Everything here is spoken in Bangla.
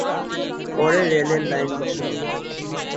পরে রেলের লাইন বসানো হবে।